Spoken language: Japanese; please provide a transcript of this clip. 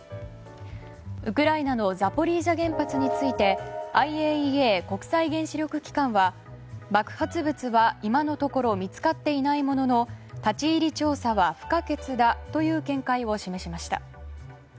ウクライナのザポリージャ原発についてＩＡＥＡ・国際原子力機関は爆発物は今のところ見つかっていないものの立ち入り調査は不可欠だという見解を示しました。